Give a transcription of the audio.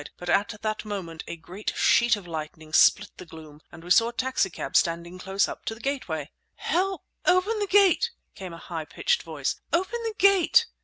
But at that moment a great sheet of lightning split the gloom, and we saw a taxicab standing close up to the gateway! "Help! Open the gate!" came a high pitched voice; "open the gate!"